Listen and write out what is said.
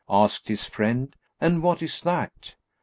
'" Asked his friend, "And what is that?"